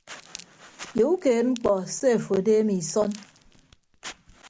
Ye ukeed mkpọ se afo adeeme isọn.